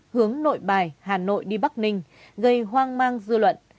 hướng nội bài hà nội đi bắc ninh gây hoang mang dư luận